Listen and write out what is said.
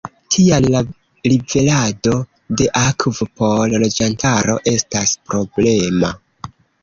Tial la liverado de akvo por loĝantaro estas problema.